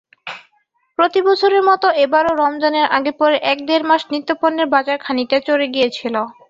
প্রতিবছরের মতো এবারও রমজানের আগে-পরে এক-দেড় মাস নিত্যপণ্যের বাজার খানিকটা চড়ে গিয়েছিল।